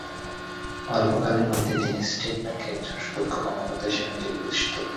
অল্পকালের মধ্যেই তিনি স্টেট ব্যাংকে একজন সুদক্ষ কর্মকর্তা হিসেবে নিজেকে প্রতিষ্ঠিত করেন।